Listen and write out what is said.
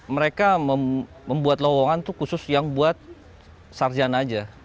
mereka membuat lowongan khusus yang buat sarjana saja